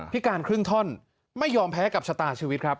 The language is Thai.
การครึ่งท่อนไม่ยอมแพ้กับชะตาชีวิตครับ